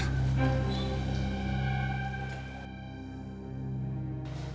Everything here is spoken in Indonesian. kay kamu sejak kapan sih ada di rumah